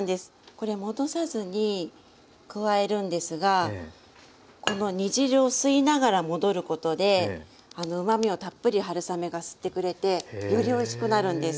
これ戻さずに加えるんですがこの煮汁を吸いながら戻ることでうまみをたっぷり春雨が吸ってくれてよりおいしくなるんです。